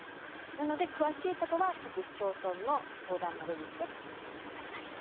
なので詳しいことは各市町村の相談窓口で確認して下さいと。